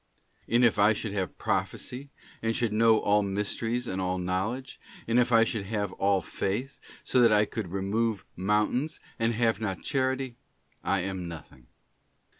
And if I should have prophecy, and should know all mysteries and all knowledge, and if I should have all faith, so that I could remove mountains, and have not Charity, I am nothing.